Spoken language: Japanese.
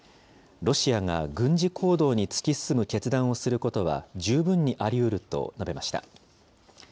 ロシアが軍事行動に突き進む決断をすることは十分にありうると述べました。